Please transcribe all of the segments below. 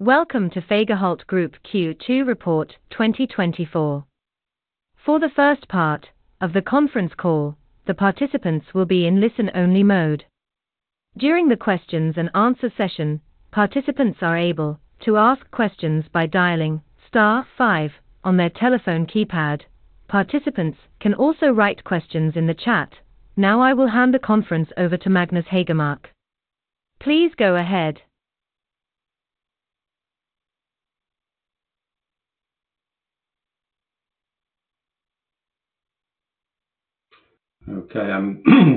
Welcome to Fagerhult Group Q2 Report 2024. For the first part of the conference call, the participants will be in listen-only mode. During the Q&A session, participants are able to ask questions by dialing star 5 on their telephone keypad. Participants can also write questions in the chat. Now I will hand the conference over to Magnus Haegermark. Please go ahead. Okay, I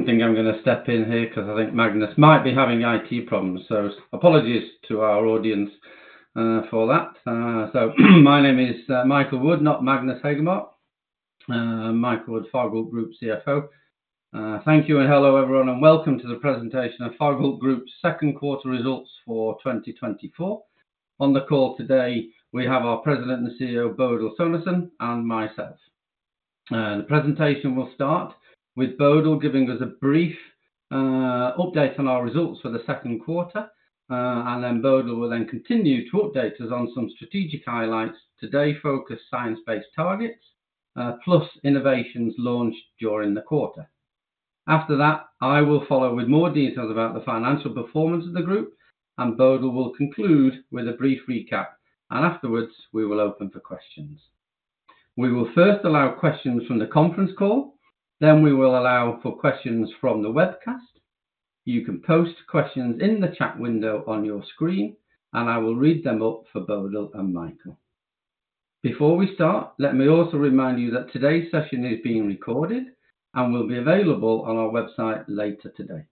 think I'm going to step in here because I think Magnus might be having IT problems, so apologies to our audience for that. So my name is Michael Wood, not Magnus Haegermark. I'm Michael Wood, Fagerhult Group CFO. Thank you and hello everyone, and welcome to the presentation of Fagerhult Group's Q2 results for 2024. On the call today, we have our President and CEO, Bodil Sonesson, and myself. The presentation will start with Bodil giving us a brief update on our results for the Q2, and then Bodil will then continue to update us on some strategic highlights today focused on science-based targets, plus innovations launched during the quarter. After that, I will follow with more details about the financial performance of the group, and Bodil will conclude with a brief recap, and afterwards we will open for questions. We will first allow questions from the conference call, then we will allow for questions from the webcast. You can post questions in the chat window on your screen, and I will read them up for Bodil and Michael. Before we start, let me also remind you that today's session is being recorded and will be available on our website later today.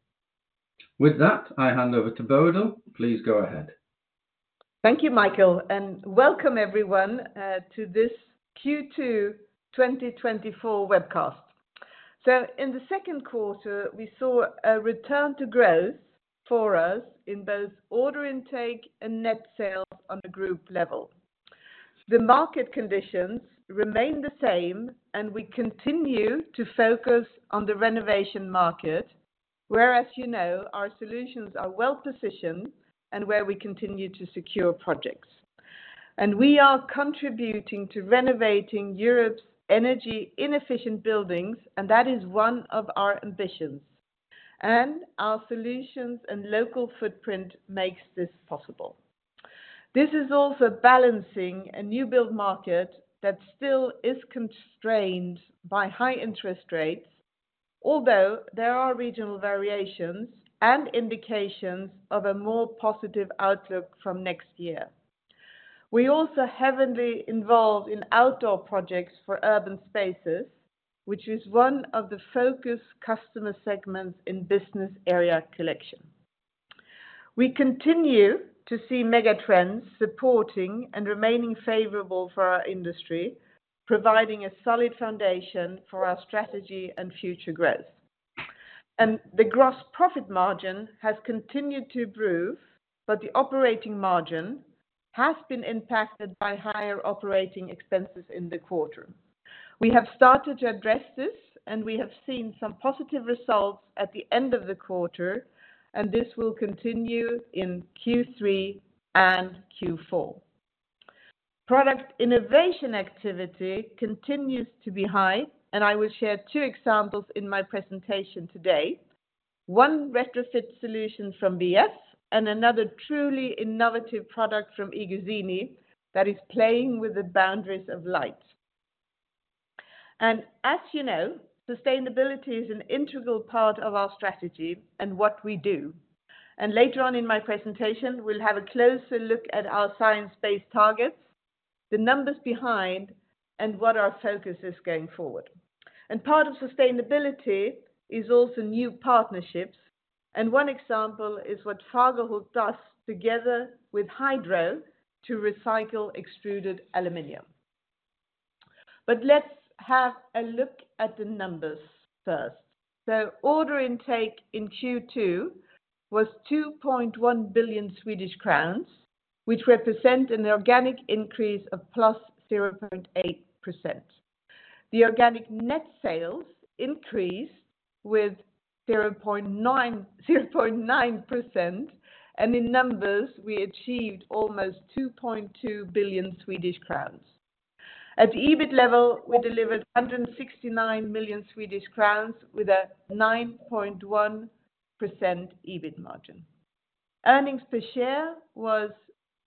With that, I hand over to Bodil. Please go ahead. Thank you, Michael, and welcome everyone to this Q2 2024 webcast. So in the Q2, we saw a return to growth for us in both order intake and net sales on a group level. The market conditions remain the same, and we continue to focus on the renovation market, where, as you know, our solutions are well positioned and where we continue to secure projects. We are contributing to renovating Europe's energy-inefficient buildings, and that is one of our ambitions. Our solutions and local footprint make this possible. This is also balancing a new build market that still is constrained by high interest rates, although there are regional variations and indications of a more positive outlook from next year. We are also heavily involved in outdoor projects for urban spaces, which is one of the focus customer segments in business area Collection. We continue to see megatrends supporting and remaining favorable for our industry, providing a solid foundation for our strategy and future growth. The gross profit margin has continued to improve, but the operating margin has been impacted by higher operating expenses in the quarter. We have started to address this, and we have seen some positive results at the end of the quarter, and this will continue in Q3 and Q4. Product innovation activity continues to be high, and I will share two examples in my presentation today. One retrofit solution from WE-EF and another truly innovative product from iGuzzini that is playing with the boundaries of light. As you know, sustainability is an integral part of our strategy and what we do. Later on in my presentation, we'll have a closer look at our science-based targets, the numbers behind, and what our focus is going forward. Part of sustainability is also new partnerships, and one example is what Fagerhult does together with Hydro to recycle extruded aluminum. Let's have a look at the numbers first. Order intake in Q2 was 2.1 billion Swedish crowns, which represent an organic increase of +0.8%. The organic net sales increased with 0.9%, and in numbers, we achieved almost 2.2 billion Swedish crowns. At EBIT level, we delivered 169 million Swedish crowns with a 9.1% EBIT margin. Earnings per share was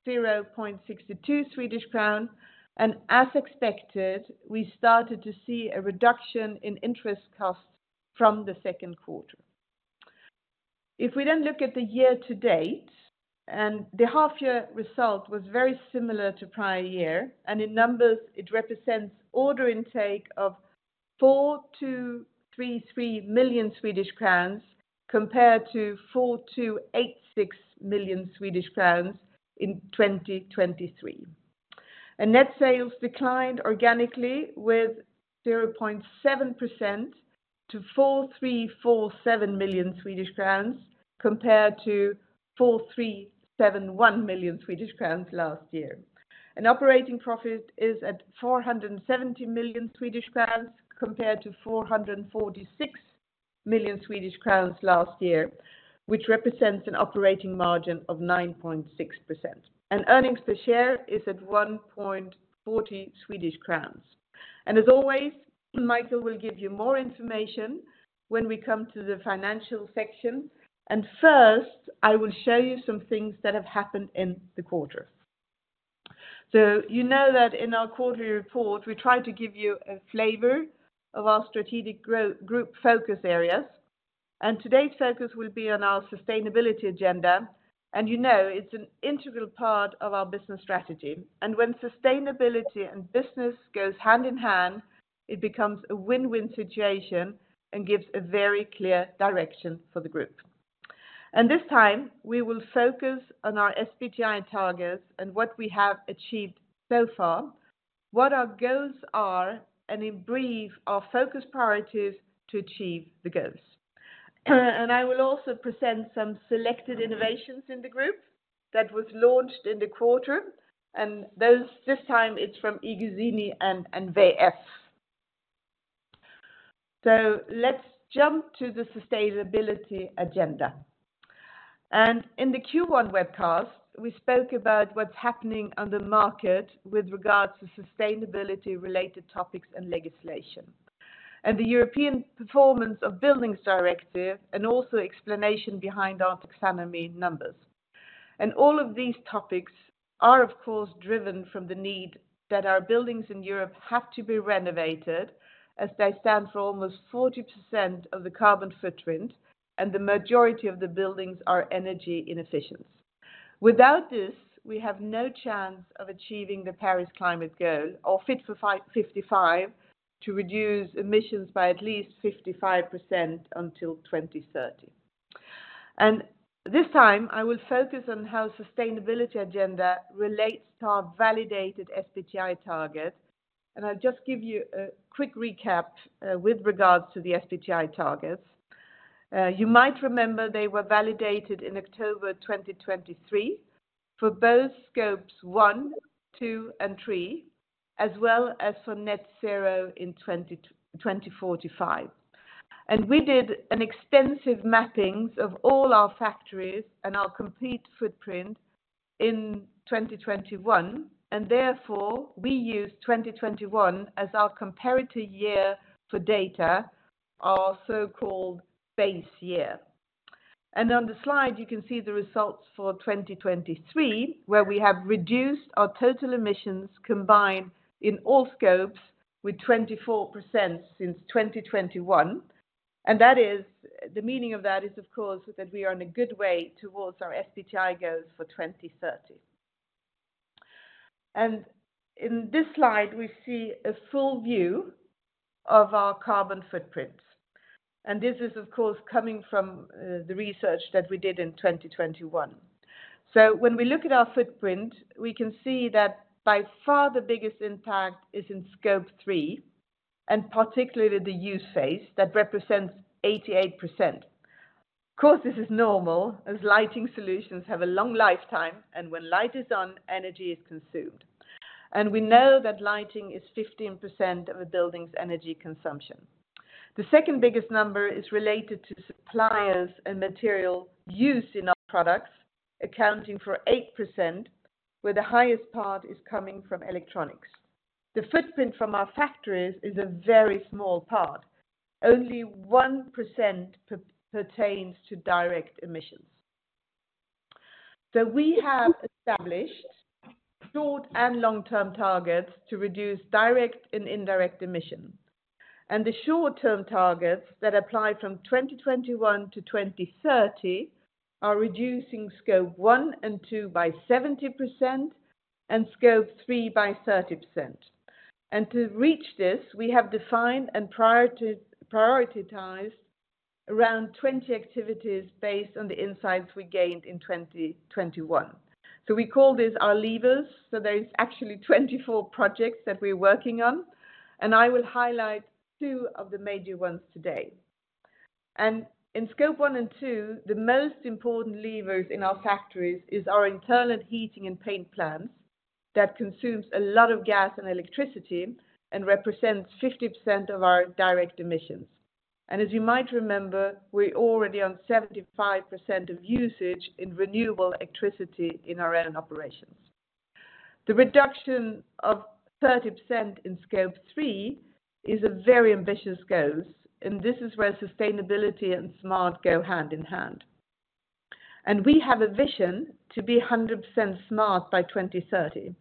0.62 Swedish crown, and as expected, we started to see a reduction in interest costs from the Q2. If we then look at the year to date, the half-year result was very similar to prior year, and in numbers, it represents order intake of 4,233 million Swedish crowns compared to 4,286 million Swedish crowns in 2023. Net sales declined organically with 0.7% to 4,347 million Swedish crowns compared to 4,371 million Swedish crowns last year. Operating profit is at 470 million Swedish crowns compared to 446 million Swedish crowns last year, which represents an operating margin of 9.6%. Earnings per share is at 1.40 Swedish crowns. As always, Michael will give you more information when we come to the financial section. First, I will show you some things that have happened in the quarter. You know that in our quarterly report, we try to give you a flavor of our strategic group focus areas. Today's focus will be on our sustainability agenda. You know it's an integral part of our business strategy. When sustainability and business go hand in hand, it becomes a win-win situation and gives a very clear direction for the group. This time, we will focus on our SBTi targets and what we have achieved so far, what our goals are, and in brief, our focus priorities to achieve the goals. I will also present some selected innovations in the group that was launched in the quarter. This time, it's from iGuzzini and WE-EF. Let's jump to the sustainability agenda. In the Q1 webcast, we spoke about what's happening on the market with regards to sustainability-related topics and legislation, and the Energy Performance of Buildings Directive, and also the explanation behind our taxonomy numbers. All of these topics are, of course, driven from the need that our buildings in Europe have to be renovated as they stand for almost 40% of the carbon footprint, and the majority of the buildings are energy inefficient. Without this, we have no chance of achieving the Paris climate goal or Fit for 55 to reduce emissions by at least 55% until 2030. This time, I will focus on how the sustainability agenda relates to our validated SBTi target. I'll just give you a quick recap with regards to the SBTi targets. You might remember they were validated in October 2023 for both Scopes one, two, and three, as well as for net zero in 2045. We did extensive mappings of all our factories and our complete footprint in 2021, and therefore, we used 2021 as our comparator year for data, our so-called base year. On the slide, you can see the results for 2023, where we have reduced our total emissions combined in all Scopes with 24% since 2021. The meaning of that is, of course, that we are on a good way towards our SBTi goals for 2030. In this slide, we see a full view of our carbon footprint. This is, of course, coming from the research that we did in 2021. So when we look at our footprint, we can see that by far the biggest impact is in Scope three, and particularly the use phase that represents 88%. Of course, this is normal as lighting solutions have a long lifetime, and when light is on, energy is consumed. We know that lighting is 15% of a building's energy consumption. The second biggest number is related to suppliers and material use in our products, accounting for 8%, where the highest part is coming from electronics. The footprint from our factories is a very small part. Only 1% pertains to direct emissions. We have established short- and long-term targets to reduce direct and indirect emissions. The short-term targets that apply from 2021 to 2030 are reducing Scope one and two by 70% and Scope three by 30%. To reach this, we have defined and prioritized around 20 activities based on the insights we gained in 2021. We call these our levers. There are actually 24 projects that we're working on, and I will highlight two of the major ones today. In Scope one and two, the most important levers in our factories are our internal heating and paint plants that consume a lot of gas and electricity and represent 50% of our direct emissions. As you might remember, we're already on 75% of usage in renewable electricity in our own operations. The reduction of 30% in Scope three is a very ambitious goal, and this is where sustainability and smart go hand in hand. We have a vision to be 100% smart by 2030.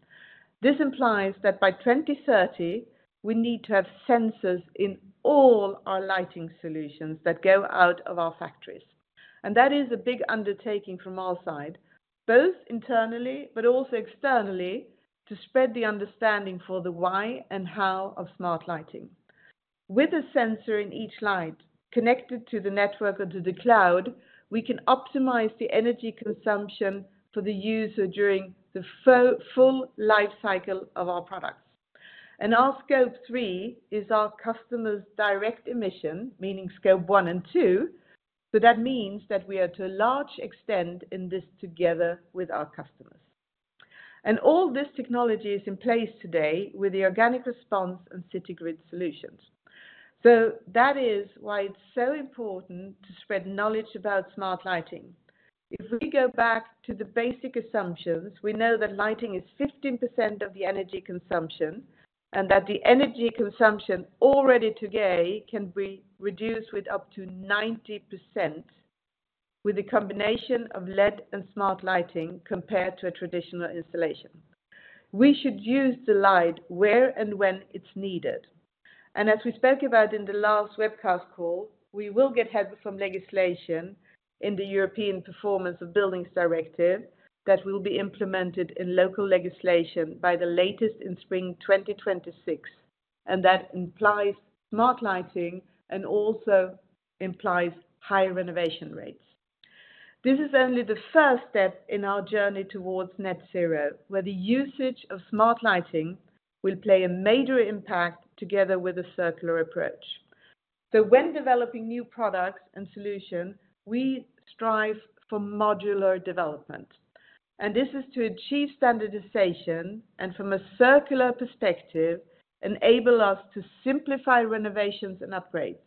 This implies that by 2030, we need to have sensors in all our lighting solutions that go out of our factories. That is a big undertaking from our side, both internally, but also externally, to spread the understanding for the why and how of smart lighting. With a sensor in each light connected to the network or to the cloud, we can optimize the energy consumption for the user during the full life cycle of our products. Our Scope three is our customers' direct emission, meaning Scope one and two. That means that we are to a large extent in this together with our customers. All this technology is in place today with the Organic Response and Citygrid solutions. So that is why it's so important to spread knowledge about smart lighting. If we go back to the basic assumptions, we know that lighting is 15% of the energy consumption and that the energy consumption already today can be reduced with up to 90% with the combination of LED and smart lighting compared to a traditional installation. We should use the light where and when it's needed. And as we spoke about in the last webcast call, we will get help from legislation in the Energy Performance of Buildings Directive that will be implemented in local legislation by the latest in spring 2026. And that implies smart lighting and also implies higher renovation rates. This is only the first step in our journey towards net zero, where the usage of smart lighting will play a major impact together with a circular approach. When developing new products and solutions, we strive for modular development. This is to achieve standardization and, from a circular perspective, enable us to simplify renovations and upgrades.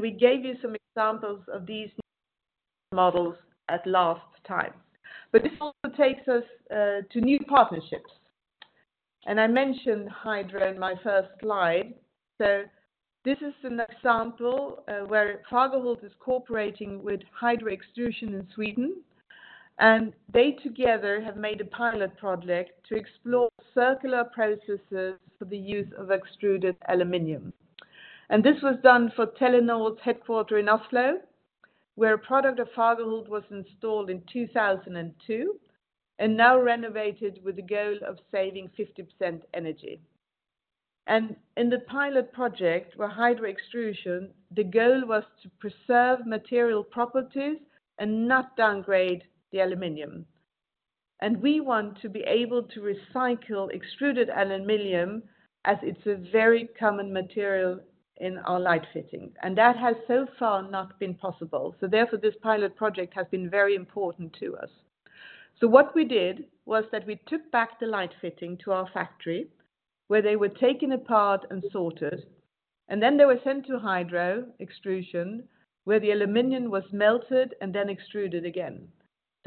We gave you some examples of these models at last time. But this also takes us to new partnerships. I mentioned Hydro in my first slide. This is an example where Fagerhult is cooperating with Hydro Extrusions in Sweden. They together have made a pilot project to explore circular processes for the use of extruded aluminum. This was done for Telenor's headquarters in Oslo, where a product of Fagerhult was installed in 2002 and now renovated with the goal of saving 50% energy. In the pilot project for Hydro Extrusions, the goal was to preserve material properties and not downgrade the aluminum. We want to be able to recycle extruded aluminum as it's a very common material in our light fittings. That has so far not been possible. Therefore, this pilot project has been very important to us. What we did was that we took back the light fitting to our factory where they were taken apart and sorted, and then they were sent to Hydro Extrusions where the aluminum was melted and then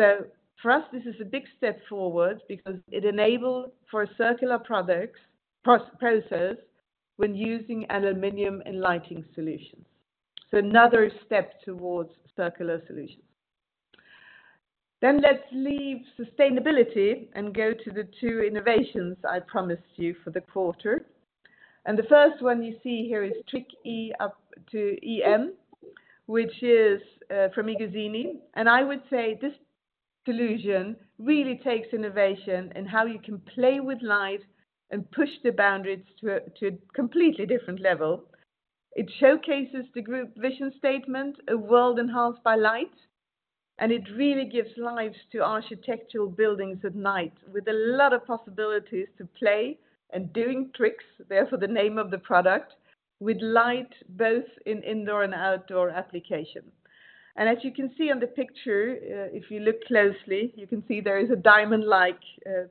extruded again. For us, this is a big step forward because it enables circular products process when using aluminum in lighting solutions. Another step towards circular solutions. Let's leave sustainability and go to the two innovations I promised you for the quarter. And the first one you see here is Trick 'em, which is from iGuzzini. And I would say this solution really takes innovation in how you can play with light and push the boundaries to a completely different level. It showcases the group vision statement, a world enhanced by light, and it really gives lives to architectural buildings at night with a lot of possibilities to play and doing tricks, therefore the name of the product, with light both in indoor and outdoor application. And as you can see on the picture, if you look closely, you can see there is a diamond-like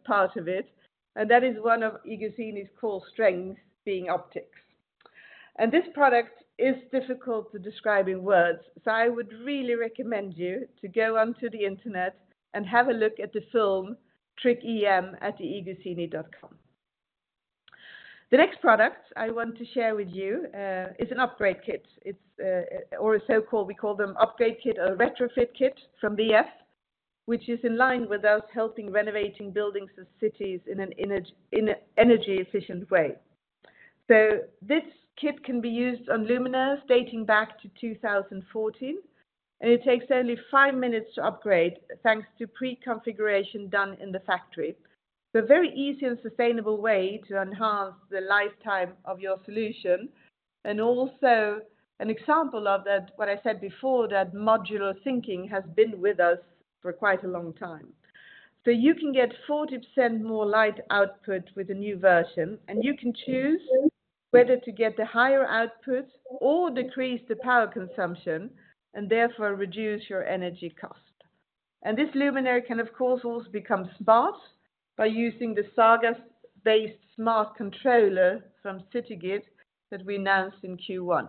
part of it. And that is one of iGuzzini's core strengths being optics. And this product is difficult to describe in words. So I would really recommend you to go onto the internet and have a look at the film Trick em at iGuzzini.com. The next product I want to share with you is an upgrade kit, or a so-called, we call them upgrade kit or retrofit kit from WE-EF, which is in line with us helping renovating buildings and cities in an energy-efficient way. So this kit can be used on luminaires dating back to 2014, and it takes only 5 minutes to upgrade thanks to pre-configuration done in the factory. So a very easy and sustainable way to enhance the lifetime of your solution. And also an example of that, what I said before, that modular thinking has been with us for quite a long time. So you can get 40% more light output with a new version, and you can choose whether to get the higher output or decrease the power consumption and therefore reduce your energy cost. And this luminaire can, of course, also become smart by using the Zhaga-based smart controller from Citygrid that we announced in Q1.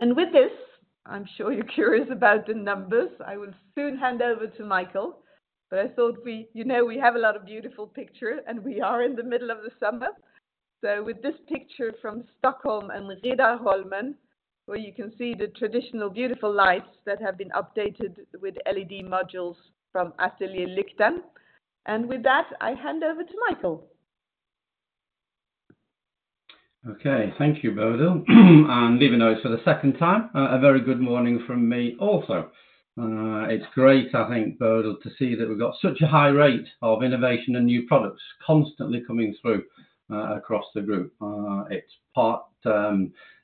And with this, I'm sure you're curious about the numbers. I will soon hand over to Michael, but I thought we have a lot of beautiful pictures, and we are in the middle of the summer. With this picture from Stockholm and Riddarholmen, where you can see the traditional beautiful lights that have been updated with LED modules from Atelier Lyktan. And with that, I hand over to Michael. Okay, thank you, Bodil. Even though it's for the second time, a very good morning from me also. It's great, I think, Bodil, to see that we've got such a high rate of innovation and new products constantly coming through across the group.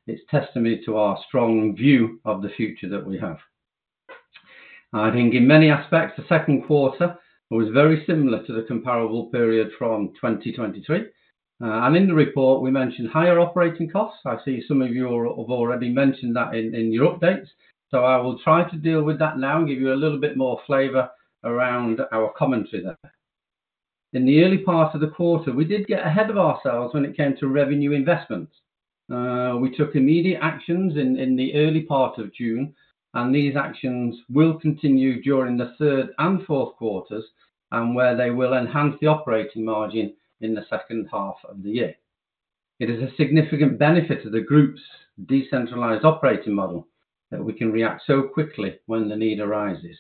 It's testimony to our strong view of the future that we have. I think in many aspects, the Q2 was very similar to the comparable period from 2023. In the report, we mentioned higher operating costs. I see some of you have already mentioned that in your updates. I will try to deal with that now and give you a little bit more flavor around our commentary there. In the early part of the quarter, we did get ahead of ourselves when it came to revenue investments. We took immediate actions in the early part of June, and these actions will continue during the third and Q4s, and where they will enhance the operating margin in the second half of the year. It is a significant benefit to the group's decentralized operating model that we can react so quickly when the need arises.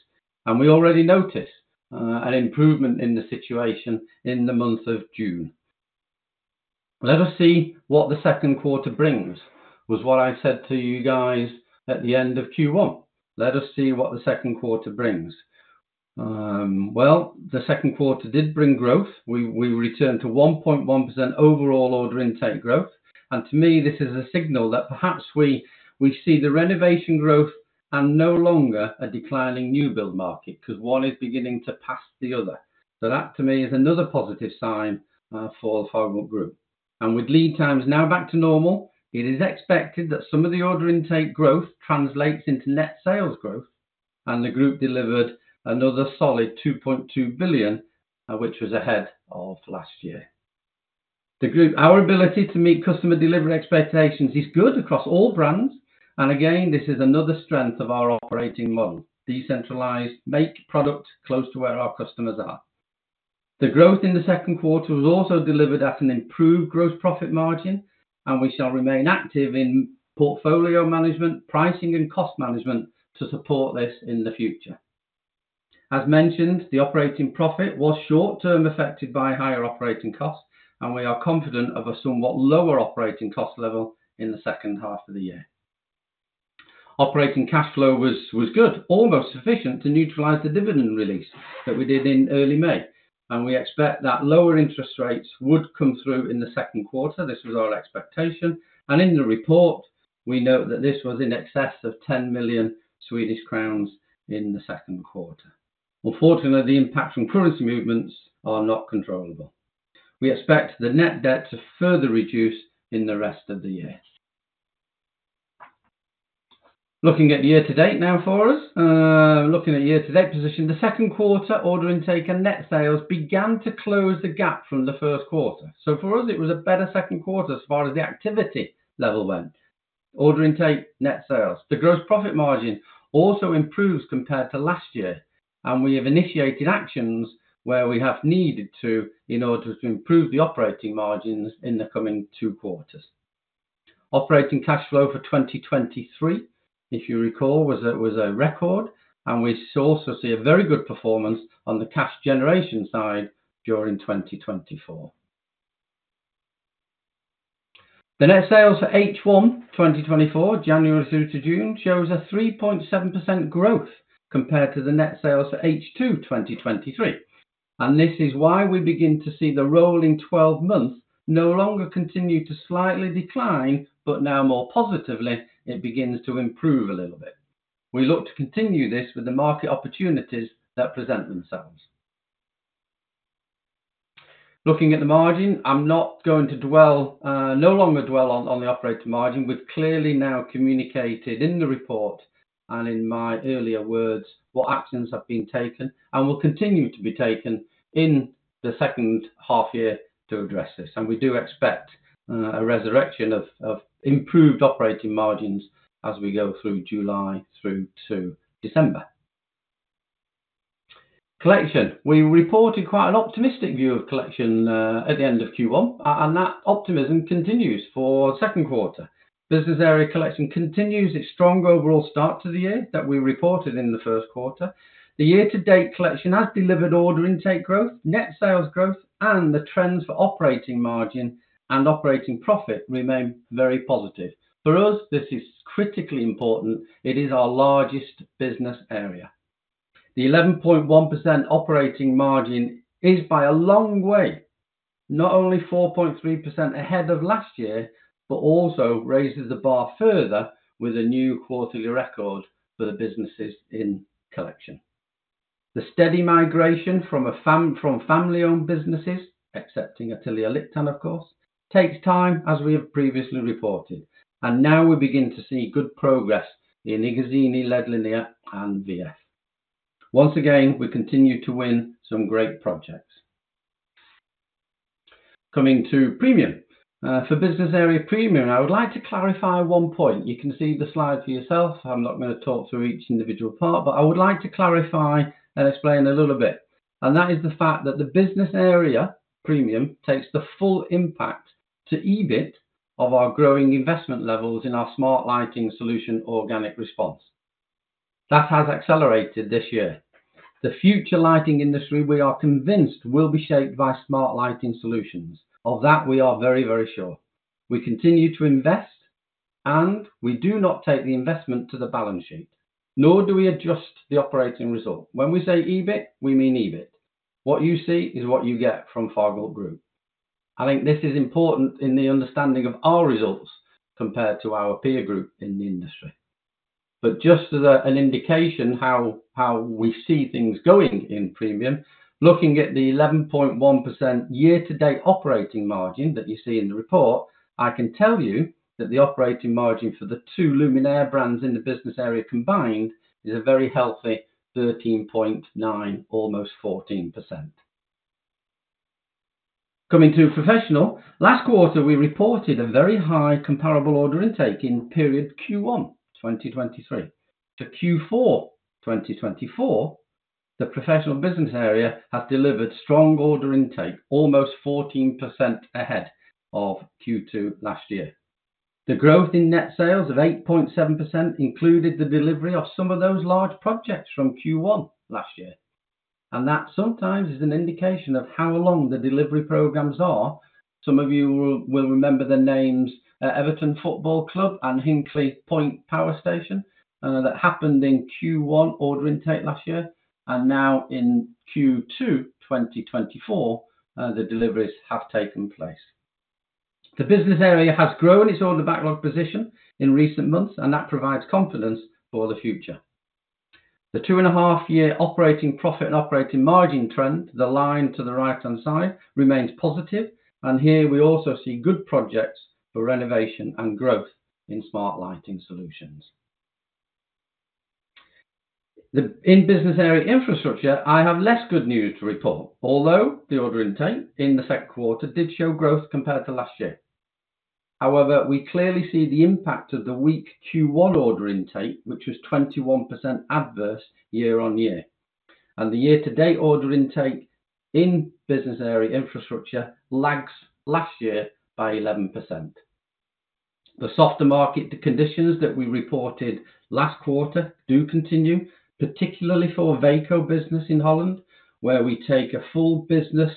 We already notice an improvement in the situation in the month of June. Let us see what the Q2 brings, was what I said to you guys at the end of Q1. Let us see what the Q2 brings. Well, the Q2 did bring growth. We returned to 1.1% overall order intake growth. To me, this is a signal that perhaps we see the renovation growth and no longer a declining new build market because one is beginning to pass the other. So that to me is another positive sign for the Fagerhult Group. With lead times now back to normal, it is expected that some of the order intake growth translates into net sales growth, and the group delivered another solid 2.2 billion, which was ahead of last year. The group, our ability to meet customer delivery expectations is good across all brands. Again, this is another strength of our operating model: decentralized, make product close to where our customers are. The growth in the Q2 was also delivered at an improved gross profit margin, and we shall remain active in portfolio management, pricing, and cost management to support this in the future. As mentioned, the operating profit was short-term affected by higher operating costs, and we are confident of a somewhat lower operating cost level in the second half of the year. Operating cash flow was good, almost sufficient to neutralize the dividend release that we did in early May. And we expect that lower interest rates would come through in the Q2. This was our expectation. And in the report, we note that this was in excess of 10 million Swedish crowns in the Q2. Unfortunately, the impact from currency movements is not controllable. We expect the net debt to further reduce in the rest of the year. Looking at year-to-date now for us, looking at year-to-date position, the Q2 order intake and net sales began to close the gap from the Q1. So for us, it was a better Q2 as far as the activity level went. Order intake, net sales, the gross profit margin also improves compared to last year. We have initiated actions where we have needed to in order to improve the operating margins in the coming two quarters. Operating cash flow for 2023, if you recall, was a record, and we also see a very good performance on the cash generation side during 2024. The net sales for H1 2024, January through to June, show a 3.7% growth compared to the net sales for H2 2023. And this is why we begin to see the rolling 12 months no longer continue to slightly decline, but now more positively, it begins to improve a little bit. We look to continue this with the market opportunities that present themselves. Looking at the margin, I'm not going to dwell, no longer dwell on the operating margin, with clearly now communicated in the report and in my earlier words what actions have been taken and will continue to be taken in the second half year to address this. And we do expect a resurrection of improved operating margins as we go through July through to December. Collection, we reported quite an optimistic view of collection at the end of Q1, and that optimism continues for Q2. Business area collection continues its strong overall start to the year that we reported in the Q1. The year-to-date collection has delivered order intake growth, net sales growth, and the trends for operating margin and operating profit remain very positive. For us, this is critically important. It is our largest business area. The 11.1% operating margin is by a long way, not only 4.3% ahead of last year, but also raises the bar further with a new quarterly record for the businesses in collection. The steady migration from family-owned businesses, excepting Atelier Lyktan, of course, takes time as we have previously reported. And now we begin to see good progress in iGuzzini, LED Linear, and WE-EF. Once again, we continue to win some great projects. Coming to Premium. For business area Premium, I would like to clarify one point. You can see the slides for yourself. I'm not going to talk through each individual part, but I would like to clarify and explain a little bit. That is the fact that the business area Premium takes the full impact to EBIT of our growing investment levels in our smart lighting solution Organic Response. That has accelerated this year. The future lighting industry, we are convinced, will be shaped by smart lighting solutions. Of that, we are very, very sure. We continue to invest, and we do not take the investment to the balance sheet, nor do we adjust the operating result. When we say EBIT, we mean EBIT. What you see is what you get from Fagerhult Group. I think this is important in the understanding of our results compared to our peer group in the industry. Just as an indication of how we see things going in premium, looking at the 11.1% year-to-date operating margin that you see in the report, I can tell you that the operating margin for the two luminaire brands in the business area combined is a very healthy 13.9%, almost 14%. Coming to Professional, last quarter, we reported a very high comparable order intake in period Q1 2023. To Q4 2024, the professional business area has delivered strong order intake, almost 14% ahead of Q2 last year. The growth in net sales of 8.7% included the delivery of some of those large projects from Q1 last year. That sometimes is an indication of how long the delivery programs are. Some of you will remember the names Everton Football Club and Hinkley Point C that happened in Q1 order intake last year. Now in Q2 2024, the deliveries have taken place. The business area has grown its order backlog position in recent months, and that provides confidence for the future. The 2.5-year operating profit and operating margin trend, the line to the right-hand side, remains positive. Here we also see good projects for renovation and growth in smart lighting solutions. In business area Infrastructure, I have less good news to report, although the order intake in the Q2 did show growth compared to last year. However, we clearly see the impact of the weak Q1 order intake, which was 21% adverse year-over-year. The year-to-date order intake in business area Infrastructure lags last year by 11%. The softer market conditions that we reported last quarter do continue, particularly for Veko business in Holland, where we take a full business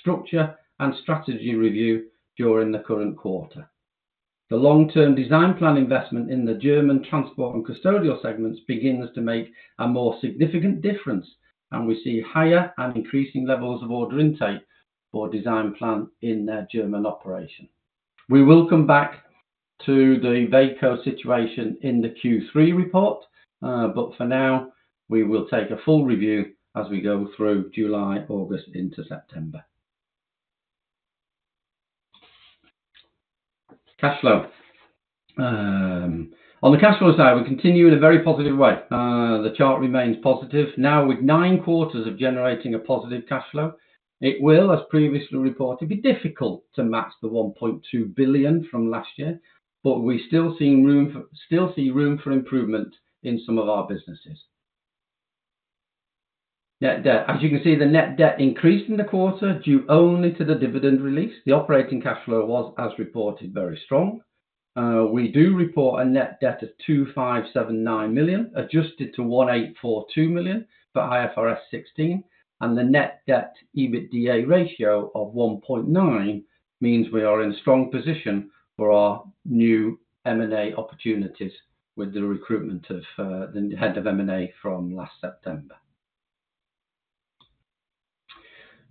structure and strategy review during the current quarter. The long-term Designplan investment in the German transport and custodial segments begins to make a more significant difference, and we see higher and increasing levels of order intake for Designplan in their German operation. We will come back to the Veko situation in the Q3 report, but for now, we will take a full review as we go through July, August into September. Cash flow. On the cash flow side, we continue in a very positive way. The chart remains positive. Now, with nine quarters of generating a positive cash flow, it will, as previously reported, be difficult to match the 1.2 billion from last year, but we still see room for improvement in some of our businesses. Net debt, as you can see, the net debt increased in the quarter due only to the dividend release. The operating cash flow was, as reported, very strong. We do report a net debt of 2,579 million, adjusted to 1,842 million for IFRS 16, and the net debt EBITDA ratio of 1.9 means we are in a strong position for our new M&A opportunities with the recruitment of the head of M&A from last September.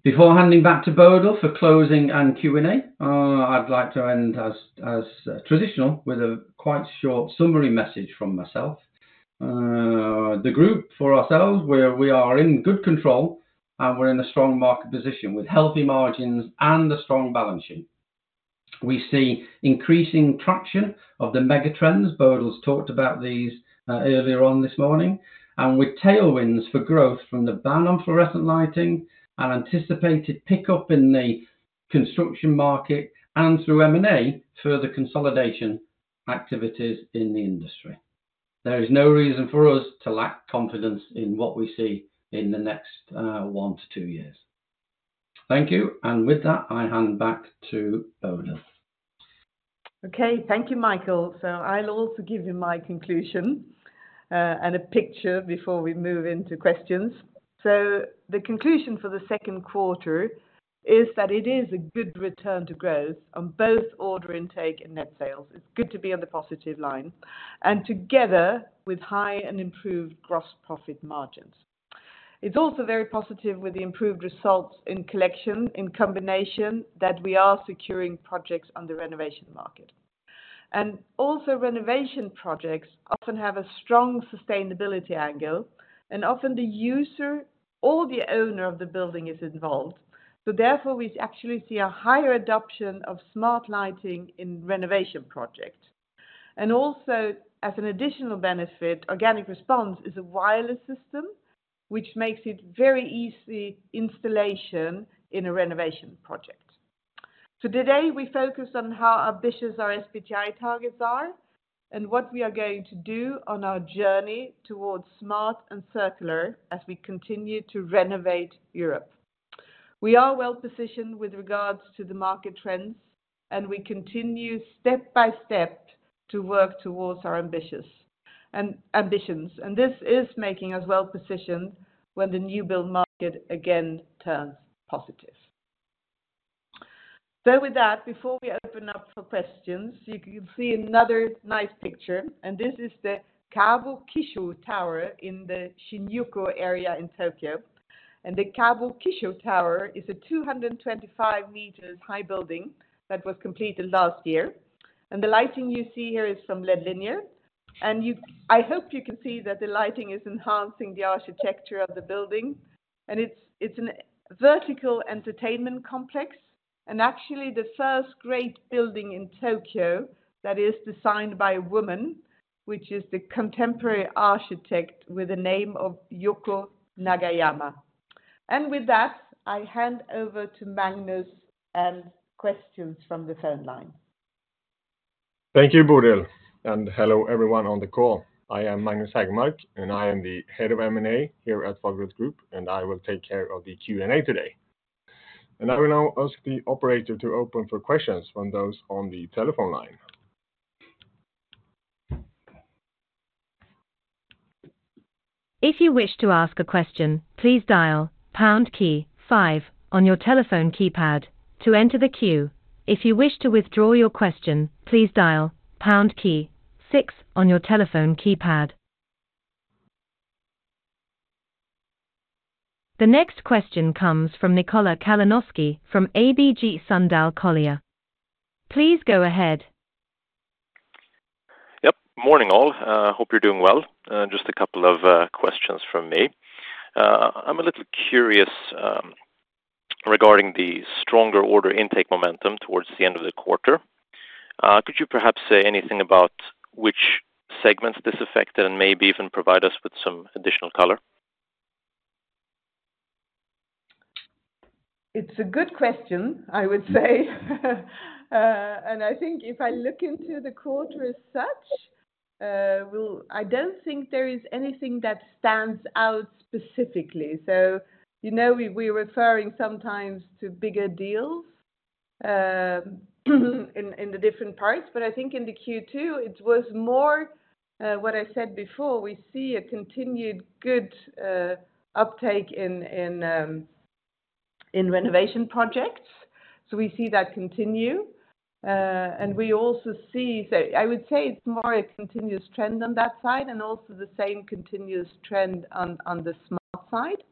Before handing back to Bodil for closing and Q&A, I'd like to end as traditional with a quite short summary message from myself. The group, for ourselves, we are in good control, and we're in a strong market position with healthy margins and a strong balance sheet. We see increasing traction of the megatrends. Bodil's talked about these earlier on this morning, and with tailwinds for growth from the ban on fluorescent lighting and anticipated pickup in the construction market and through M&A further consolidation activities in the industry. There is no reason for us to lack confidence in what we see in the next 1-2 years. Thank you. And with that, I hand back to Bodil. Okay, thank you, Michael. So I'll also give you my conclusion and a picture before we move into questions. So the conclusion for the Q2 is that it is a good return to growth on both order intake and net sales. It's good to be on the positive line, and together with high and improved gross profit margins. It's also very positive with the improved results in collection in combination that we are securing projects on the renovation market. Also, renovation projects often have a strong sustainability angle, and often the user or the owner of the building is involved. Therefore, we actually see a higher adoption of smart lighting in renovation projects. Also, as an additional benefit, Organic Response is a wireless system, which makes it very easy installation in a renovation project. So today, we focused on how ambitious our SBTi targets are and what we are going to do on our journey towards smart and circular as we continue to renovate Europe. We are well positioned with regards to the market trends, and we continue step by step to work towards our ambitions. This is making us well positioned when the new build market again turns positive. So with that, before we open up for questions, you can see another nice picture. This is the Tokyu Kabukicho Tower in the Shinjuku area in Tokyo. The Tokyu Kabukicho Tower is a 225 m high building that was completed last year. The lighting you see here is from LED Linear. I hope you can see that the lighting is enhancing the architecture of the building. It's a vertical entertainment complex, and actually the first great building in Tokyo that is designed by a woman, which is the contemporary architect with the name of Yuko Nagayama. With that, I hand over to Magnus and questions from the phone line. Thank you, Bodil. Hello everyone on the call. I am Magnus Haegermark, and I am the head of M&A here at Fagerhult Group, and I will take care of the Q&A today. I will now ask the operator to open for questions from those on the telephone line. If you wish to ask a question, please dial #5 on your telephone keypad to enter the queue. If you wish to withdraw your question, please dial #6 on your telephone keypad. The next question comes from Nikola Kalanoski from ABG Sundal Collier. Please go ahead. Yep, morning all. I hope you're doing well. Just a couple of questions from me. I'm a little curious regarding the stronger order intake momentum towards the end of the quarter. Could you perhaps say anything about which segments this affected and maybe even provide us with some additional color? It's a good question, I would say. I think if I look into the quarter as such, I don't think there is anything that stands out specifically. We're referring sometimes to bigger deals in the different parts, but I think in the Q2, it was more what I said before. We see a continued good uptake in renovation projects. We see that continue. We also see, so I would say it's more a continuous trend on that side and also the same continuous trend on the smart side.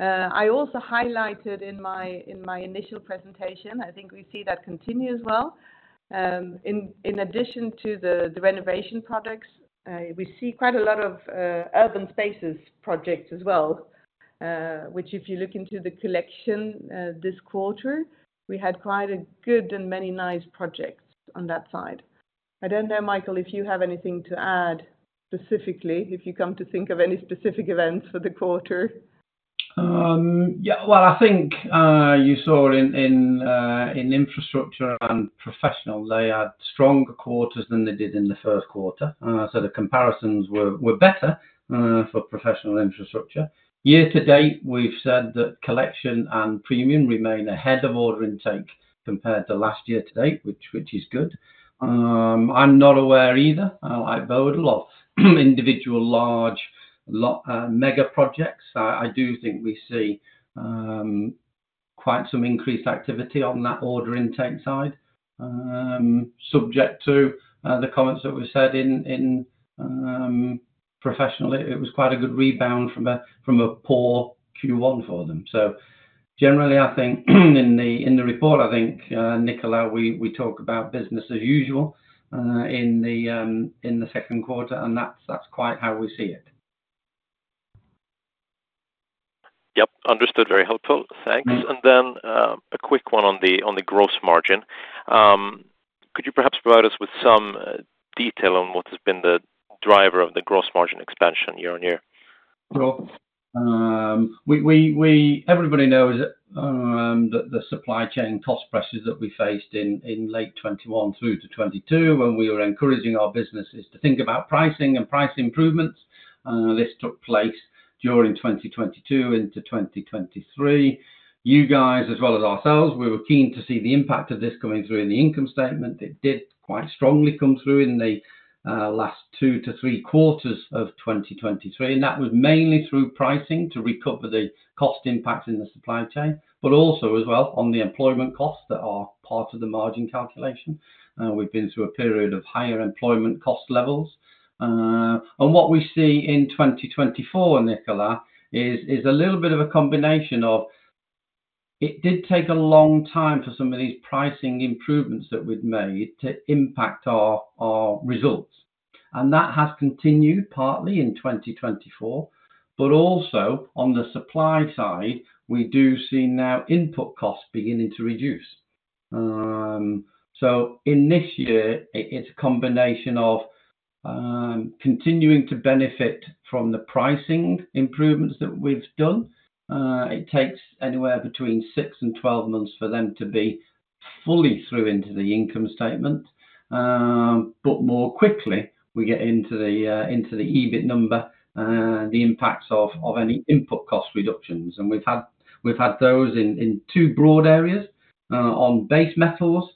I also highlighted in my initial presentation, I think we see that continue as well. In addition to the renovation products, we see quite a lot of urban spaces projects as well, which if you look into the collection this quarter, we had quite a good and many nice projects on that side. I don't know, Michael, if you have anything to add specifically, if you come to think of any specific events for the quarter. Yeah, well, I think you saw in infrastructure and professional, they had stronger quarters than they did in the Q1. So the comparisons were better for Professional and Infrastructure. Year-to-date, we've said that Professional and Premium remain ahead of order intake compared to last year-to-date, which is good. I'm not aware either, like Bodil, of individual large mega projects. I do think we see quite some increased activity on that order intake side. Subject to the comments that were said in professional, it was quite a good rebound from a poor Q1 for them. So generally, I think in the report, I think, Nikola, we talk about business as usual in the Q2, and that's quite how we see it. Yep, understood. Very helpful. Thanks. Then a quick one on the gross margin. Could you perhaps provide us with some detail on what has been the driver of the gross margin expansion year-over-year? Well, everybody knows that the supply chain cost pressures that we faced in late 2021 through to 2022, when we were encouraging our businesses to think about pricing and price improvements, this took place during 2022 into 2023. You guys, as well as ourselves, we were keen to see the impact of this coming through in the income statement. It did quite strongly come through in the last two to three quarters of 2023. And that was mainly through pricing to recover the cost impact in the supply chain, but also as well on the employment costs that are part of the margin calculation. We've been through a period of higher employment cost levels. What we see in 2024, Nikola, is a little bit of a combination of it did take a long time for some of these pricing improvements that we've made to impact our results. And that has continued partly in 2024, but also on the supply side, we do see now input costs beginning to reduce. So in this year, it's a combination of continuing to benefit from the pricing improvements that we've done. It takes anywhere between 6 and 12 months for them to be fully through into the income statement. But more quickly, we get into the EBIT number, the impacts of any input cost reductions. And we've had those in two broad areas on base metals,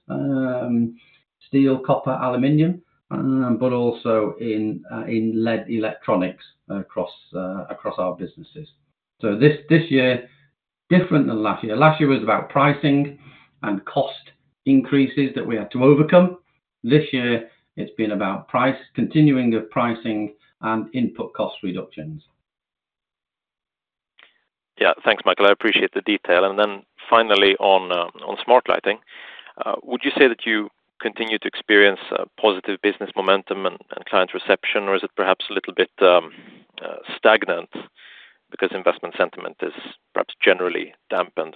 steel, copper, aluminum, but also in LED electronics across our businesses. So this year, different than last year. Last year was about pricing and cost increases that we had to overcome. This year, it's been about continuing the pricing and input cost reductions. Yeah, thanks, Michael. I appreciate the detail. And then finally, on smart lighting, would you say that you continue to experience positive business momentum and client reception, or is it perhaps a little bit stagnant because investment sentiment is perhaps generally dampened?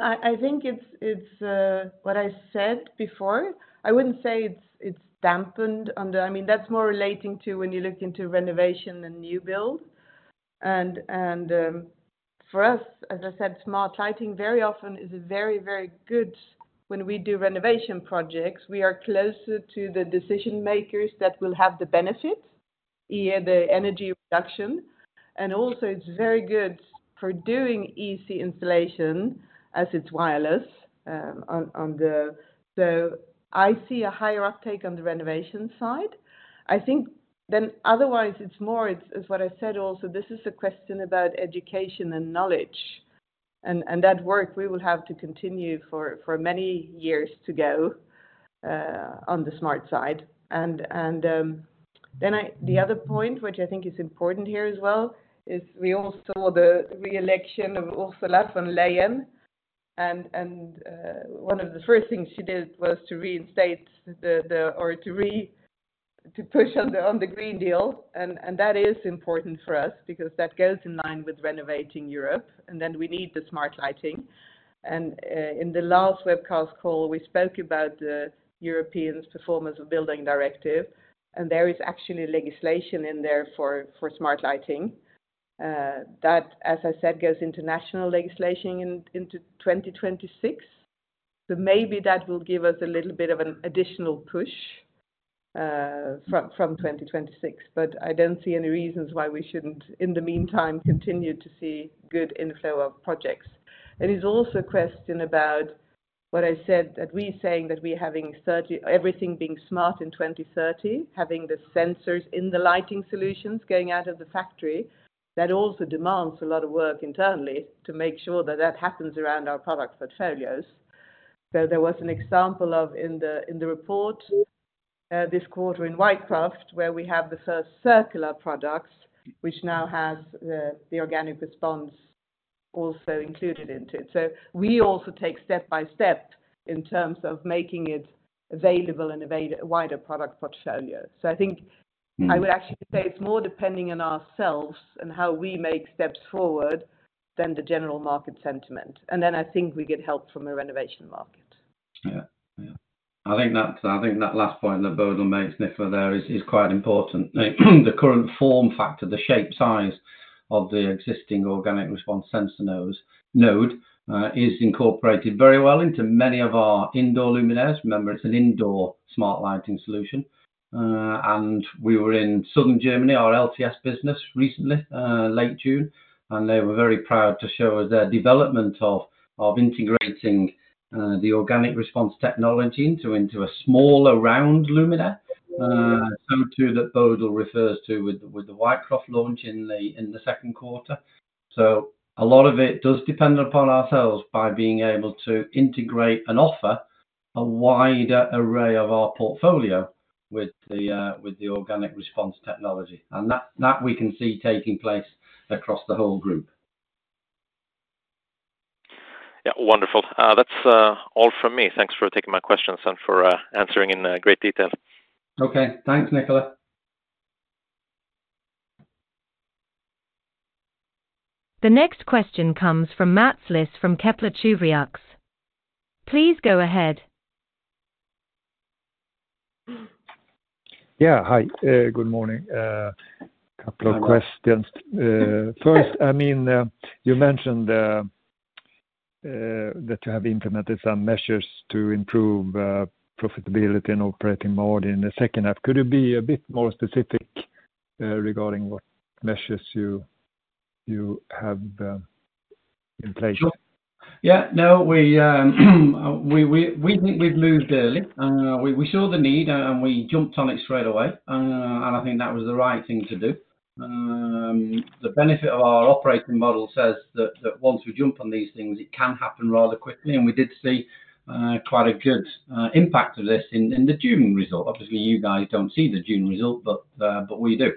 I think it's what I said before. I wouldn't say it's dampened under, I mean, that's more relating to when you look into renovation and new build. And for us, as I said, smart lighting very often is very, very good when we do renovation projects. We are closer to the decision makers that will have the benefit, either the energy reduction. And also, it's very good for doing EC installation as it's wireless. So I see a higher uptake on the renovation side. I think then otherwise, it's more, as what I said also, this is a question about education and knowledge. And that work, we will have to continue for many years to go on the smart side. And then the other point, which I think is important here as well, is we all saw the reelection of Ursula von der Leyen. And one of the first things she did was to reinstate the or to push on the Green Deal. And that is important for us because that goes in line with renovating Europe. And then we need the smart lighting. And in the last webcast call, we spoke about the Energy Performance of Buildings Directive. And there is actually legislation in there for smart lighting. That, as I said, goes into national legislation into 2026. So maybe that will give us a little bit of an additional push from 2026. But I don't see any reasons why we shouldn't, in the meantime, continue to see good inflow of projects. And it's also a question about what I said, that we're saying that we're having everything being smart in 2030, having the sensors in the lighting solutions going out of the factory. That also demands a lot of work internally to make sure that that happens around our product portfolios. So there was an example of in the report this quarter in Whitecroft, where we have the first circular products, which now has the Organic Response also included into it. So we also take step by step in terms of making it available and a wider product portfolio. So I think I would actually say it's more depending on ourselves and how we make steps forward than the general market sentiment. And then I think we get help from a renovation market. Yeah, yeah. I think that last point that Bodil makes, Nikola, there is quite important. The current form factor, the shape size of the existing Organic Response sensor node is incorporated very well into many of our indoor luminaires. Remember, it's an indoor smart lighting solution. And we were in southern Germany, our LTS business recently, late June. And they were very proud to show us their development of integrating the Organic Response technology into a smaller round luminaire. So too that Bodil refers to with the Whitecroft launch in the Q2. So a lot of it does depend upon ourselves by being able to integrate and offer a wider array of our portfolio with the Organic Response technology. And that we can see taking place across the whole group. Yeah, wonderful. That's all from me. Thanks for taking my questions and for answering in great detail. Okay, thanks, Nikola. The next question comes from Mats Liss from Kepler Cheuvreux. Please go ahead. Yeah, hi. Good morning. Couple of questions. First, I mean, you mentioned that you have implemented some measures to improve profitability and operating model in the second half. Could you be a bit more specific regarding what measures you have in place? Sure. Yeah. No, we think we've moved early. We saw the need and we jumped on it straight away. And I think that was the right thing to do. The benefit of our operating model says that once we jump on these things, it can happen rather quickly. And we did see quite a good impact of this in the June result. Obviously, you guys don't see the June result, but we do.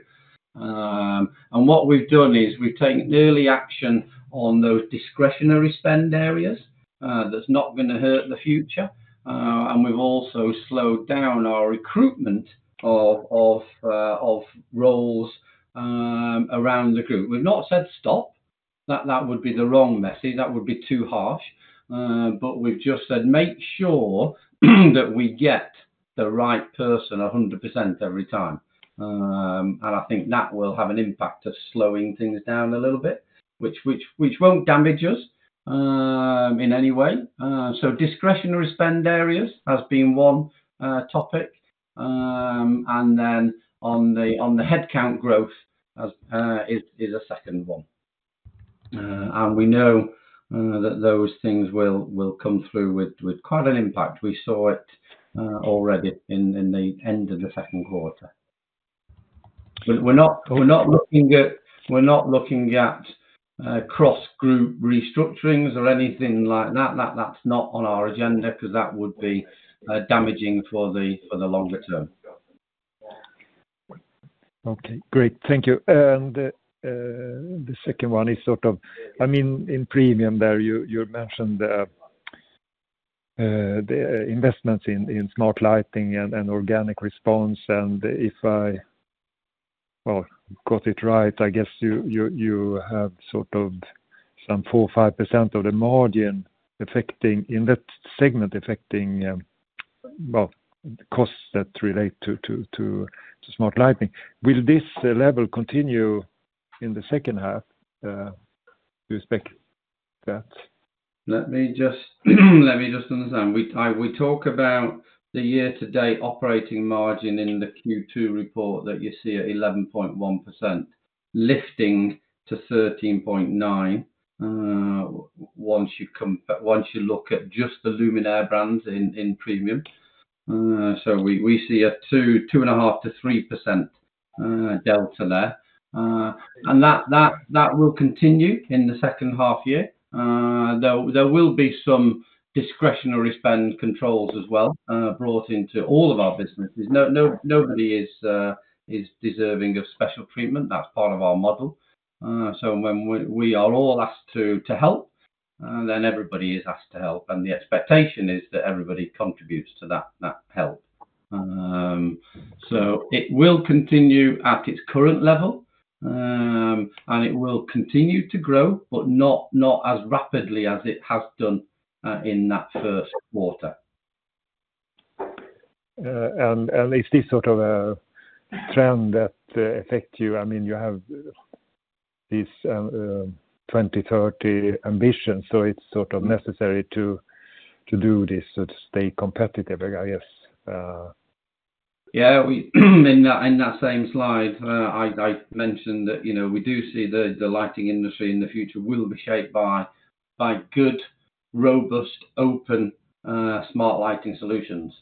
What we've done is we've taken early action on those discretionary spend areas that's not going to hurt the future. We've also slowed down our recruitment of roles around the group. We've not said stop. That would be the wrong message. That would be too harsh. But we've just said, "Make sure that we get the right person 100% every time." I think that will have an impact of slowing things down a little bit, which won't damage us in any way. Discretionary spend areas has been one topic. Then on the headcount growth is a second one. We know that those things will come through with quite an impact. We saw it already in the end of the Q2. We're not looking at cross-group restructurings or anything like that. That's not on our agenda because that would be damaging for the longer term. Okay, great. Thank you. And the second one is sort of, I mean, in premium there, you mentioned the investments in smart lighting and Organic Response. And if I, well, got it right, I guess you have sort of some 4%-5% of the margin affecting in that segment, affecting costs that relate to smart lighting. Will this level continue in the second half? Do you expect that? Let me just understand. We talk about the year-to-date operating margin in the Q2 report that you see at 11.1%, lifting to 13.9% once you look at just the luminaire brands in premium. So we see a 2.5%-3% delta there. And that will continue in the second half year. There will be some discretionary spend controls as well brought into all of our businesses. Nobody is deserving of special treatment. That's part of our model. So when we are all asked to help, then everybody is asked to help. The expectation is that everybody contributes to that help. So it will continue at its current level. It will continue to grow, but not as rapidly as it has done in that Q1. Is this sort of a trend that affects you? I mean, you have this 2030 ambition. So it's sort of necessary to do this to stay competitive, I guess. Yeah. In that same slide, I mentioned that we do see the lighting industry in the future will be shaped by good, robust, open smart lighting solutions.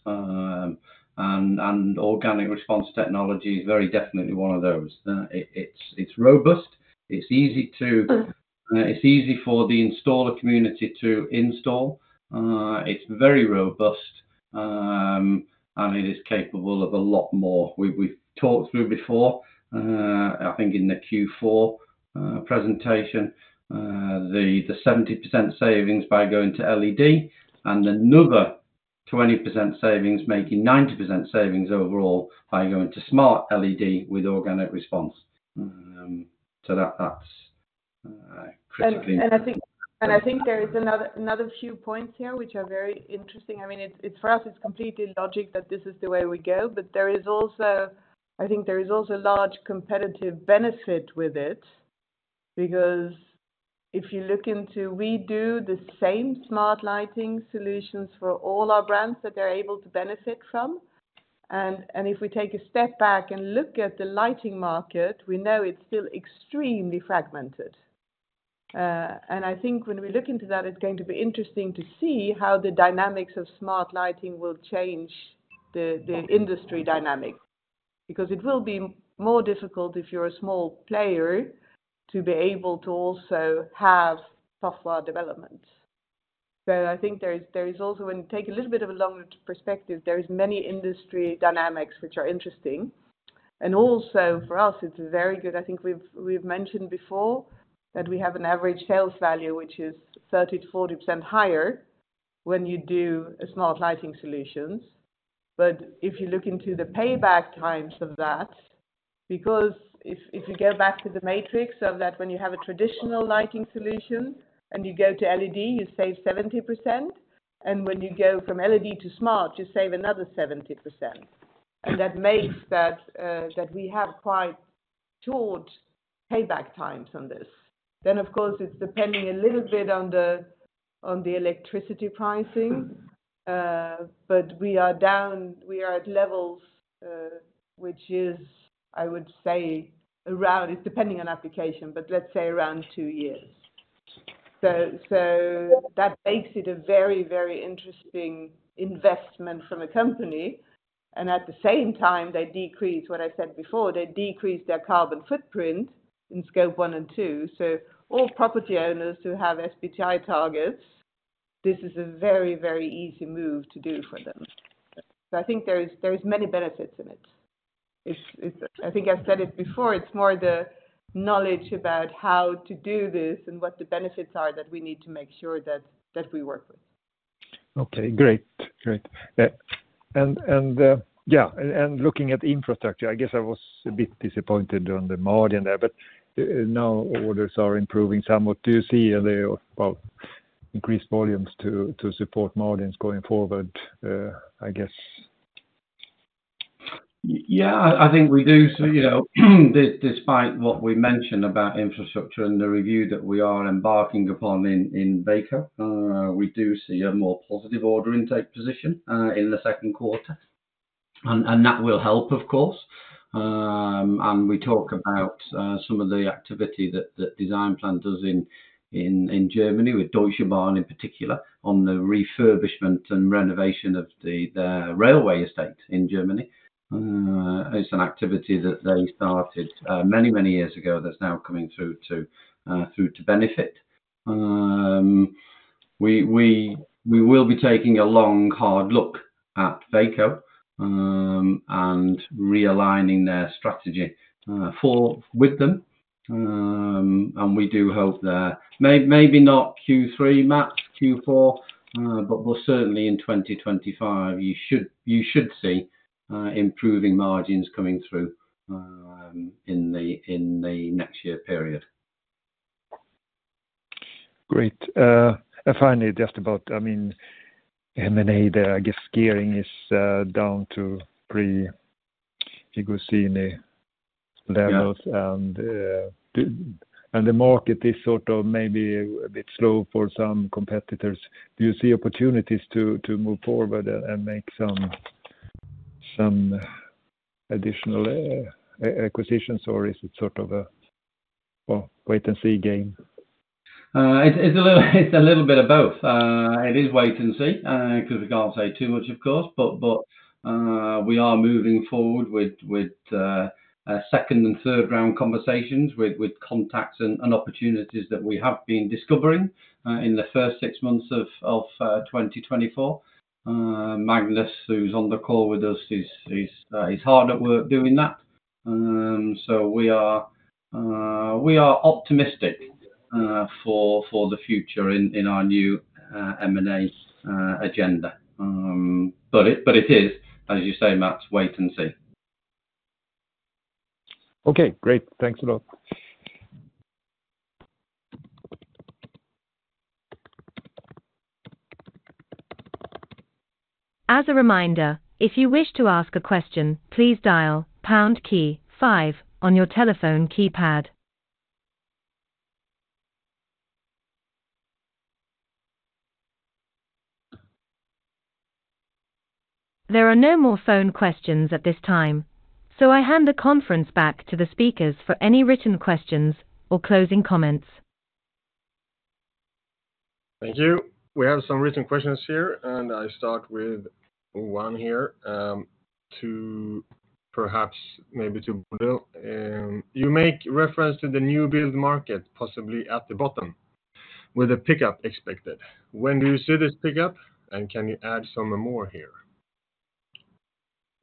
Organic Response technology is very definitely one of those. It's robust. It's easy for the installer community to install. It's very robust. It is capable of a lot more. We've talked through before, I think in the Q4 presentation, the 70% savings by going to LED and another 20% savings, making 90% savings overall by going to smart LED with Organic Response. That's critically important. I think there is another few points here which are very interesting. I mean, for us, it's completely logical that this is the way we go. But I think there is also a large competitive benefit with it because if you look into we do the same smart lighting solutions for all our brands that they're able to benefit from. And if we take a step back and look at the lighting market, we know it's still extremely fragmented. I think when we look into that, it's going to be interesting to see how the dynamics of smart lighting will change the industry dynamic because it will be more difficult if you're a small player to be able to also have software development. I think there is also, when you take a little bit of a longer perspective, there are many industry dynamics which are interesting. Also for us, it's very good. I think we've mentioned before that we have an average sales value which is 30%-40% higher when you do smart lighting solutions. But if you look into the payback times of that, because if you go back to the matrix of that, when you have a traditional lighting solution and you go to LED, you save 70%. And when you go from LED to smart, you save another 70%. And that makes that we have quite short payback times on this. Then, of course, it's depending a little bit on the electricity pricing. But we are down, we are at levels which is, I would say, around, it's depending on application, but let's say around 2 years. So that makes it a very, very interesting investment from a company. And at the same time, they decrease, what I said before, they decrease their carbon footprint in Scope one and two. So all property owners who have SBTI targets, this is a very, very easy move to do for them. So I think there are many benefits in it. I think I've said it before. It's more the knowledge about how to do this and what the benefits are that we need to make sure that we work with. Okay, great. Great. Yeah, and looking at infrastructure, I guess I was a bit disappointed on the margin there. But now orders are improving somewhat. Do you see increased volumes to support margins going forward, I guess? Yeah, I think we do. Despite what we mentioned about infrastructure and the review that we are embarking upon in Veko, we do see a more positive order intake position in the Q2. And that will help, of course. And we talk about some of the activity that Designplan does in Germany with Deutsche Bahn in particular on the refurbishment and renovation of the railway estate in Germany. It's an activity that they started many, many years ago that's now coming through to benefit. We will be taking a long, hard look at Veko and realigning their strategy with them. We do hope that maybe not Q3, Max, Q4, but certainly in 2025, you should see improving margins coming through in the next year period. Great. Finally, just about, I mean, M&A, I guess, gearing is down to pre-iGuzzini levels. The market is sort of maybe a bit slow for some competitors. Do you see opportunities to move forward and make some additional acquisitions, or is it sort of a wait-and-see game? It's a little bit of both. It is wait-and-see because we can't say too much, of course. We are moving forward with second and third round conversations with contacts and opportunities that we have been discovering in the first 6 months of 2024. Magnus, who's on the call with us, is hard at work doing that. We are optimistic for the future in our new M&A agenda. But it is, as you say, Max, wait-and-see. Okay, great. Thanks a lot. As a reminder, if you wish to ask a question, please dial pound key five on your telephone keypad. There are no more phone questions at this time, so I hand the conference back to the speakers for any written questions or closing comments. Thank you. We have some written questions here, and I start with one here to perhaps maybe to Bodil. You make reference to the new build market, possibly at the bottom, with a pickup expected. When do you see this pickup, and can you add some more here?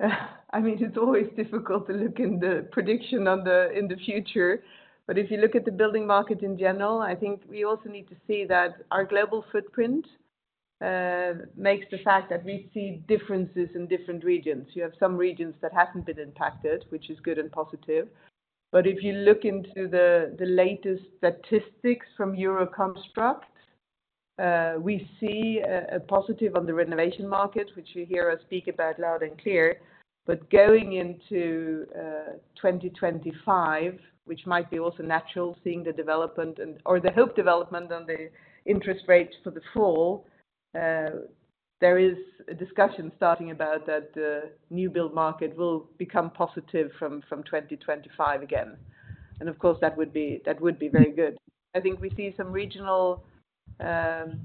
I mean, it's always difficult to look in the prediction on the future. But if you look at the building market in general, I think we also need to see that our global footprint makes the fact that we see differences in different regions. You have some regions that haven't been impacted, which is good and positive. But if you look into the latest statistics from Euroconstruct, we see a positive on the renovation market, which you hear us speak about loud and clear. But going into 2025, which might be also natural seeing the development or the hope development on the interest rates for the fall, there is a discussion starting about that the new build market will become positive from 2025 again. And of course, that would be very good. I think we see some regional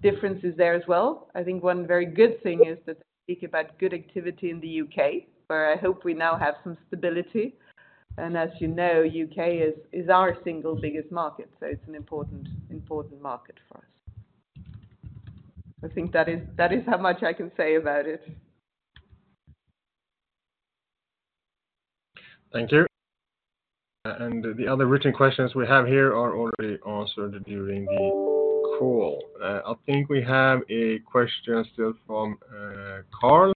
differences there as well. I think one very good thing is that they speak about good activity in the UK, where I hope we now have some stability. And as you know, UK is our single biggest market. So it's an important market for us. I think that is how much I can say about it. Thank you. And the other written questions we have here are already answered during the call. I think we have a question still from Karl.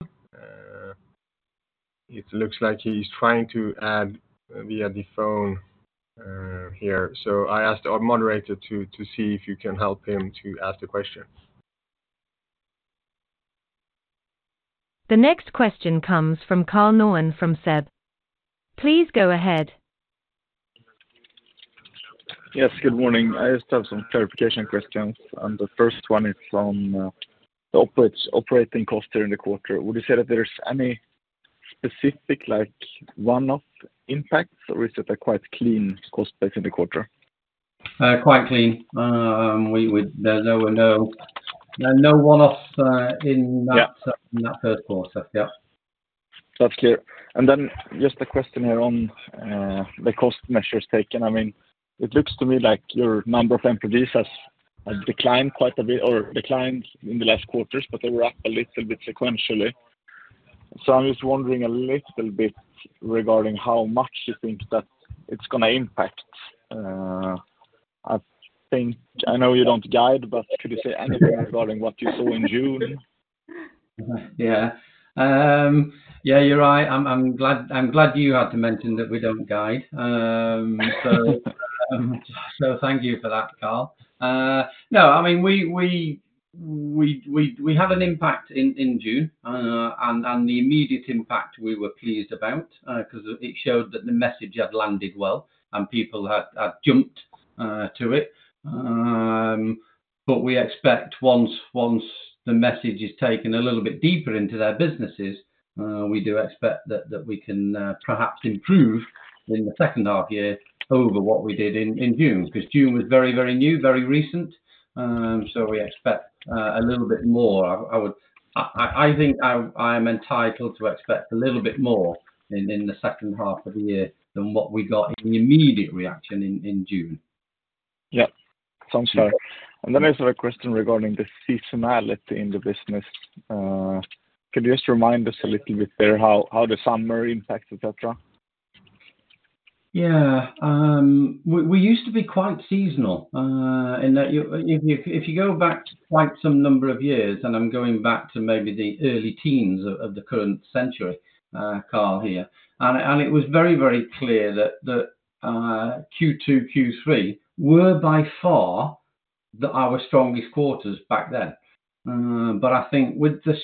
It looks like he's trying to add via the phone here. So I asked our moderator to see if you can help him to ask the question. The next question comes from Karl Norén from SEB. Please go ahead. Yes, good morning. I just have some clarification questions. And the first one is on the operating cost during the quarter. Would you say that there's any specific one-off impacts, or is it a quite clean cost based on the quarter? Quite clean. There's no one-off in that Q1. Yeah. That's clear. And then just a question here on the cost measures taken. I mean, it looks to me like your number of FTEs has declined quite a bit or declined in the last quarters, but they were up a little bit sequentially. So I'm just wondering a little bit regarding how much you think that it's going to impact. I know you don't guide, but could you say anything regarding what you saw in June? Yeah. Yeah, you're right. I'm glad you had to mention that we don't guide. So thank you for that, Karl. No, I mean, we had an impact in June, and the immediate impact we were pleased about because it showed that the message had landed well and people had jumped to it. But we expect once the message is taken a little bit deeper into their businesses, we do expect that we can perhaps improve in the second half year over what we did in June because June was very, very new, very recent. So we expect a little bit more. I think I am entitled to expect a little bit more in the second half of the year than what we got in the immediate reaction in June. Yeah. Sounds fine. Then I have a question regarding the seasonality in the business. Could you just remind us a little bit there how the summer impacts, etc.? Yeah. We used to be quite seasonal. If you go back to quite some number of years, and I'm going back to maybe the early teens of the current century, Karl here, and it was very, very clear that Q2, Q3 were by far our strongest quarters back then. But I think with the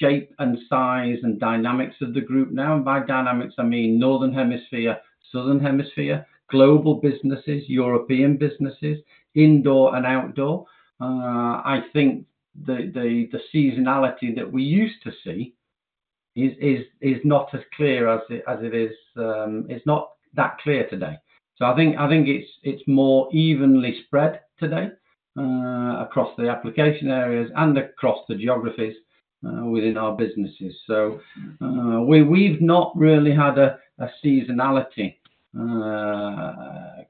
shape and size and dynamics of the group now, and by dynamics, I mean northern hemisphere, southern hemisphere, global businesses, European businesses, indoor and outdoor, I think the seasonality that we used to see is not as clear as it is. It's not that clear today. So I think it's more evenly spread today across the application areas and across the geographies within our businesses. So we've not really had a seasonality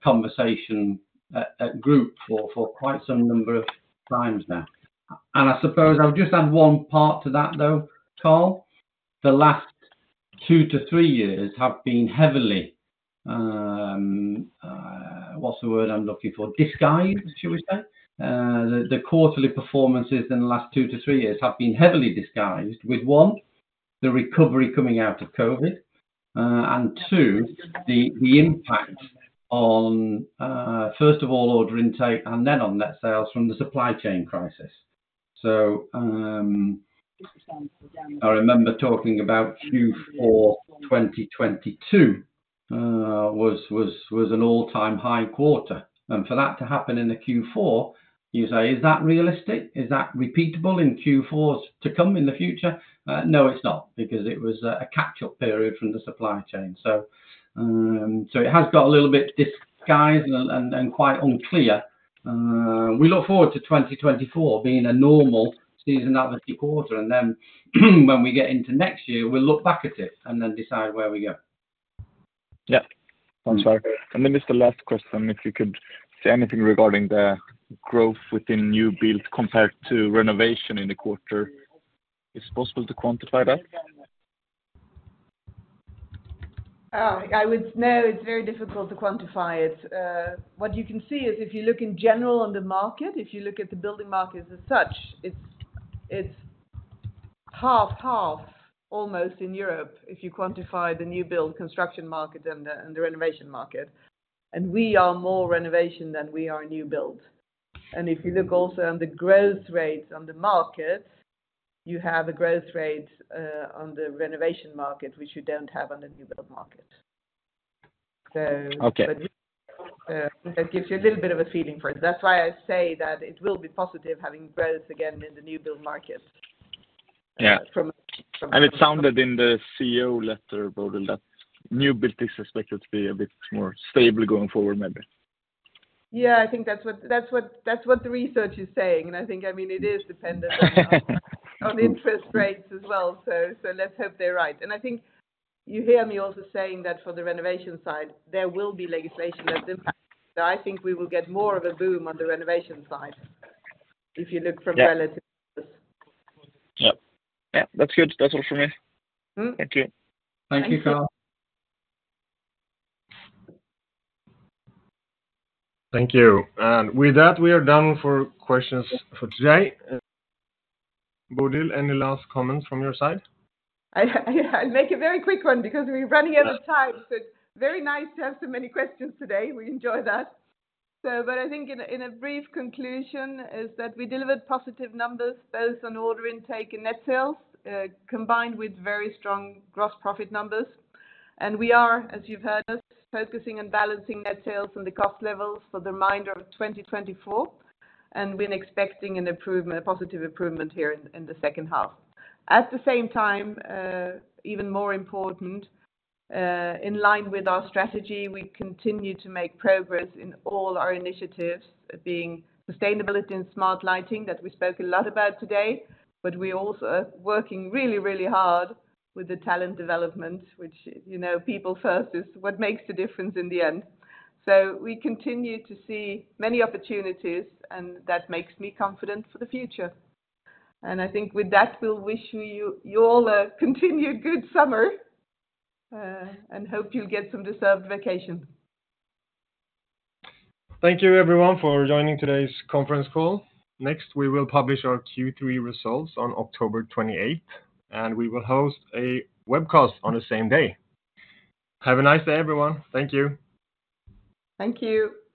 conversation group for quite some number of times now. And I suppose I'll just add one part to that, though, Karl. The last two to three years have been heavily, what's the word I'm looking for, disguised, shall we say? The quarterly performances in the last two to three years have been heavily disguised with, one, the recovery coming out of COVID, and two, the impact on, first of all, order intake and then on net sales from the supply chain crisis. So I remember talking about Q4 2022 was an all-time high quarter. And for that to happen in a Q4, you say, is that realistic? Is that repeatable in Q4s to come in the future? No, it's not because it was a catch-up period from the supply chain. So it has got a little bit disguised and quite unclear. We look forward to 2024 being a normal seasonality quarter. And then when we get into next year, we'll look back at it and then decide where we go. Yeah. Sounds fine. And then just the last question, if you could say anything regarding the growth within new builds compared to renovation in the quarter. Is it possible to quantify that? No, it's very difficult to quantify it. What you can see is if you look in general on the market, if you look at the building markets as such, it's 50/50 almost in Europe if you quantify the new build construction market and the renovation market. And we are more renovation than we are new build. And if you look also on the growth rates on the market, you have a growth rate on the renovation market, which you don't have on the new build market. So that gives you a little bit of a feeling for it. That's why I say that it will be positive having growth again in the new build market. Yeah. And it sounded in the CEO letter, Bodil, that new build is expected to be a bit more stable going forward, maybe. Yeah, I think that's what the research is saying. And I think, I mean, it is dependent on interest rates as well. So let's hope they're right. And I think you hear me also saying that for the renovation side, there will be legislation that's impacted. So I think we will get more of a boom on the renovation side if you look from relative numbers. Yeah. Yeah. That's good. That's all for me. Thank you. Thank you, Karl. Thank you. And with that, we are done for questions for today. Bodil, any last comments from your side? I'll make a very quick one because we're running out of time. So it's very nice to have so many questions today. We enjoy that. But I think, in a brief conclusion, is that we delivered positive numbers both on order intake and net sales combined with very strong gross profit numbers. And we are, as you've heard us, focusing on balancing net sales and the cost levels for the remainder of 2024. And we're expecting a positive improvement here in the second half. At the same time, even more important, in line with our strategy, we continue to make progress in all our initiatives being sustainability and smart lighting that we spoke a lot about today. But we're also working really, really hard with the talent development, which, people first, is what makes the difference in the end. So we continue to see many opportunities, and that makes me confident for the future. And I think with that, we'll wish you all a continued good summer and hope you'll get some deserved vacation. Thank you, everyone, for joining today's conference call. Next, we will publish our Q3 results on October 28th, and we will host a webcast on the same day. Have a nice day, everyone. Thank you. Thank you.